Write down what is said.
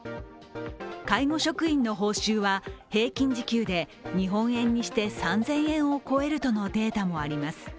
介護職員の報酬は平均時給で日本円にして３０００円を超えるとのデータもあります。